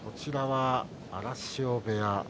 荒汐部屋。